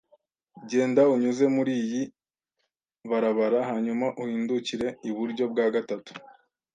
Genda unyuze muriyi barabara hanyuma uhindukire iburyo bwa gatatu.